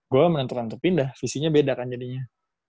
gue menentukan untuk pindah visinya beda kan jadinya